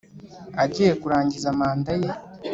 agiye kurangiza manda ye